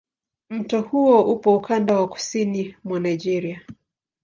Mto huo upo ukanda wa kusini mwa Nigeria.